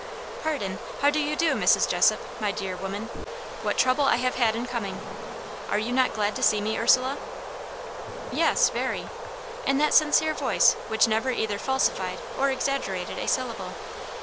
"Pardon how do you do, Mrs. Jessop, my dear woman? What trouble I have had in coming! Are you not glad to see me, Ursula?" "Yes, very." In that sincere voice which never either falsified or exaggerated a syllable.